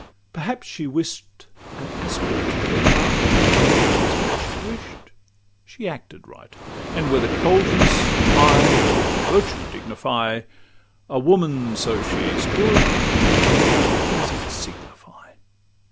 Perhaps she wish'd an aspirant profounder; But whatsoe'er she wish'd, she acted right; And whether coldness, pride, or virtue dignify A woman, so she 's good, what does it signify?